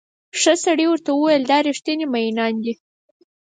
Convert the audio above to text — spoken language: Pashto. ښه سړي ورته وویل دا ریښتیني مئینان دي.